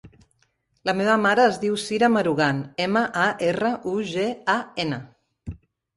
La meva mare es diu Sira Marugan: ema, a, erra, u, ge, a, ena.